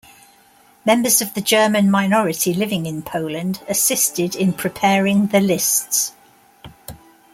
Members of the German minority living in Poland assisted in preparing the lists.